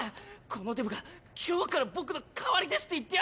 「このデブが今日から僕の代わりです」って言ってやる！